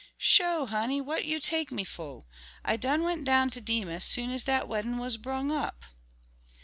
"Sho, honey, wha' you take me fo'? I done went down to Demus soon as dat weddin' wus brung up."